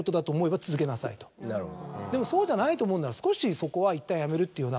でもそうじゃないと思うんなら少しそこはいったんやめるというような。